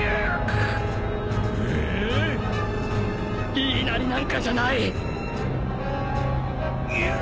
言いなりなんかじゃないぐっ。